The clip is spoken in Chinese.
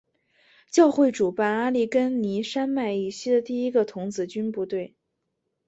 教会主办阿利根尼山脉以西的第一个童子军部队。